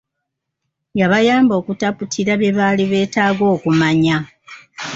Yabayamba okutaputira bye baali beetaaga okumanya.